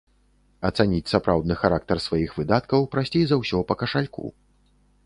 Ацаніць сапраўдны характар сваіх выдаткаў прасцей за ўсё па кашальку.